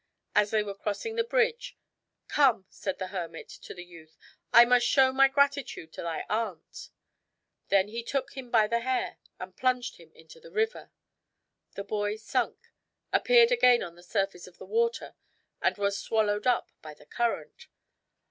As they were crossing the bridge, "Come" said the hermit to the youth, "I must show my gratitude to thy aunt." He then took him by the hair and plunged him into the river. The boy sunk, appeared again on the surface of the water, and was swallowed up by the current.